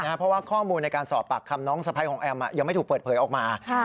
เพราะว่าข้อมูลในการสอบปากคำน้องสะพ้ายของแอมยังไม่ถูกเปิดเผยออกมา